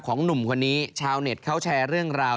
หนุ่มคนนี้ชาวเน็ตเขาแชร์เรื่องราว